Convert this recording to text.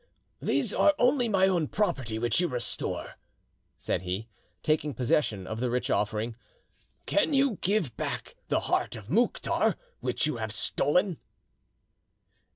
"These things are only my own property, which you restore," said he, taking possession of the rich offering. "Can you give back the heart of Mouktar, which you have stolen?"